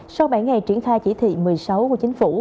sau bảy ngày triển khai chỉ thị một mươi sáu của chính phủ